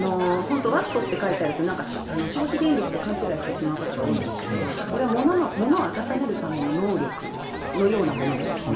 ワットって書いてあると消費電力と勘違いしてしまう方が多いんですがこれはものを温めるための能力みたいなものです。